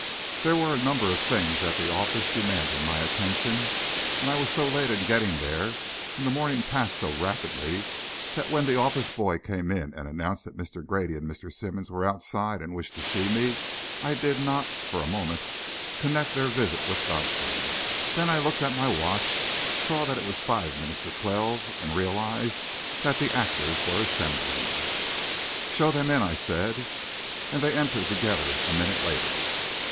There were a number of things at the office demanding my attention, and I was so late in getting there and the morning passed so rapidly that when the office boy came in and announced that Mr. Grady and Mr. Simmonds were outside and wished to see me, I did not, for a moment, connect their visit with Godfrey. Then I looked at my watch, saw that it was five minutes to twelve, and realised that the actors were assembling. "Show them in," I said, and they entered together a minute later.